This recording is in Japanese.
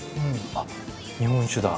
あっ日本酒だ。